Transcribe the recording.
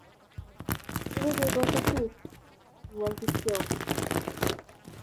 Keikei kekocho Asisi, kiwol Kipokeo